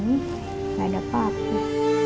nggak ada papi